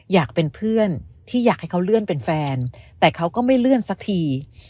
อยากเป็นเพื่อนที่อยากให้เขาเลื่อนเป็นแฟนแต่เขาก็ไม่เลื่อนสักที